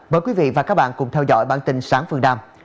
mời quý vị và các bạn cùng theo dõi bản tin sáng phương nam